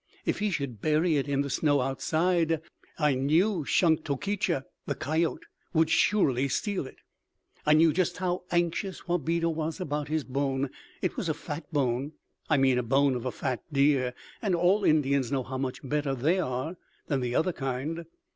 If he should bury it in the snow outside, I knew Shunktokecha (the coyote) would surely steal it. I knew just how anxious Wabeda was about his bone. It was a fat bone I mean a bone of a fat deer; and all Indians know how much better they are than the other kind.